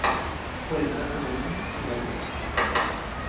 Cuenta con un mirador.